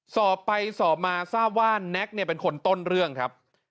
สอบไปสอบมาทราบว่าแน็กเนี่ยเป็นคนต้นเรื่องครับ